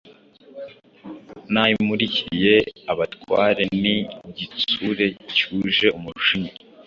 Nayimurikiye abatware! Ni gitsure cyuje umujinya ,